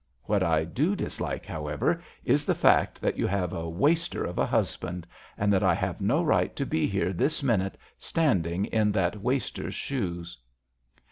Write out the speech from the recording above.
What I do dislike, however, is the fact that you have a waster of a husband, and that I have no right to be here this minute standing in that waster's shoes."